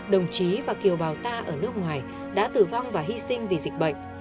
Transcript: đồng chí và kiều bào ta ở nước ngoài đã tử vong và hy sinh vì dịch bệnh